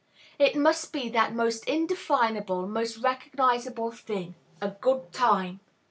It must be that most indefinable, most recognizable thing, "a good time."